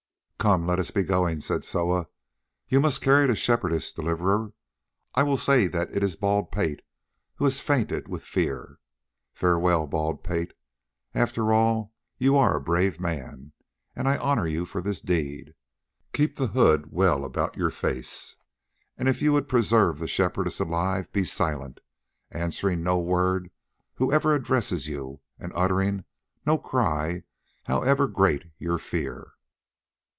"Come, let us be going," said Soa. "You must carry the Shepherdess, Deliverer; I will say that it is Bald pate who has fainted with fear. Farewell, Bald pate; after all you are a brave man, and I honour you for this deed. Keep the hood well about your face, and if you would preserve the Shepherdess alive, be silent, answering no word whoever addresses you, and uttering no cry however great your fear."